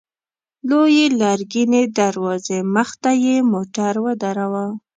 لويې لرګينې دروازې مخته يې موټر ودراوه.